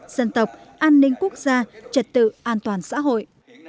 dân tộc an ninh quốc gia trật tự an toàn xã hội